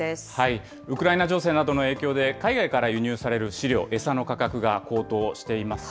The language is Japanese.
ウクライナ情勢などの影響で、海外から輸入される飼料、餌の価格が高騰しています。